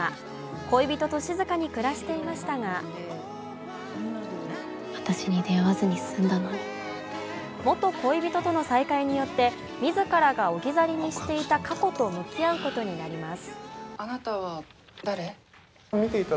恋人と静かに暮らしていましたが元恋人との再会によって自らが置き去りにしていた過去と向き合うことになります。